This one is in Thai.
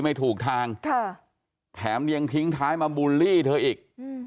ไม่ถูกทางค่ะแถมยังทิ้งท้ายมาบูลลี่เธออีก